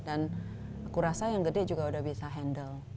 dan aku rasa yang gede juga udah bisa handle